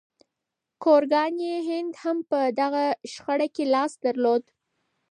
ګورګاني هند هم په دغه شخړه کې لاس درلود.